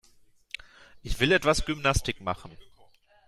Ich will etwas Gymnastik machen.